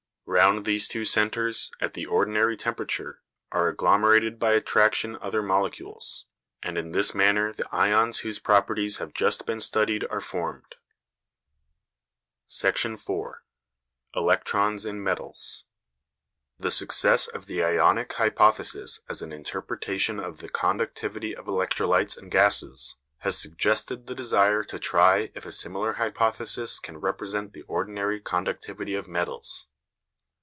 Round these two centres, at the ordinary temperature, are agglomerated by attraction other molecules, and in this manner the ions whose properties have just been studied are formed. § 4. ELECTRONS IN METALS The success of the ionic hypothesis as an interpretation of the conductivity of electrolytes and gases has suggested the desire to try if a similar hypothesis can represent the ordinary conductivity of metals.